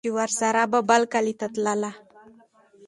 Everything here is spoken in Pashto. چې ورسره به بل کلي ته تلله